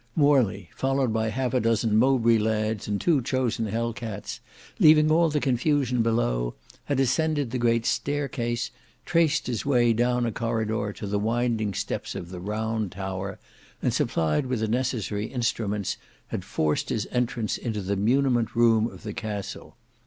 Morley, followed by half a dozen Mowbray lads and two chosen Hell cats, leaving all the confusion below, had ascended the great staircase, traced his way down a corridor to the winding steps of the Round Tower, and supplied with the necessary instruments had forced his entrance into the muniment room of the castle.